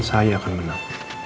saya akan menang